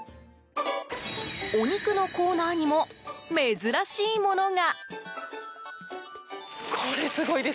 お肉のコーナーにも珍しいものが。